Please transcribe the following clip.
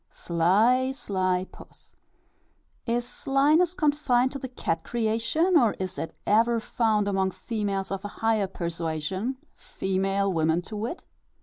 Sly, sly puss. Is slyness confined to the cat creation, or is it ever found among females of a higher persuasion female women to wit?